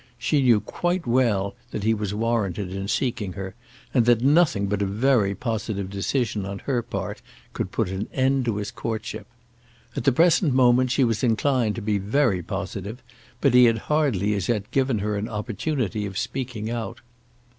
She knew quite well that he was warranted in seeking her, and that nothing but a very positive decision on her part could put an end to his courtship. At the present moment she was inclined to be very positive, but he had hardly as yet given her an opportunity of speaking out.